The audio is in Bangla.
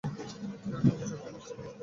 আমার পরিচিত সবচেয়ে মিষ্টি মেয়ে।